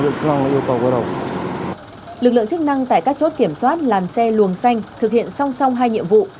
lực lượng chức năng tại các chốt kiểm soát làn xe luồng xanh thực hiện song song hai nhiệm vụ